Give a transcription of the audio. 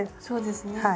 そうですね。